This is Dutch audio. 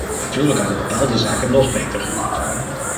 Natuurlijk hadden bepaalde zaken nog beter gekund.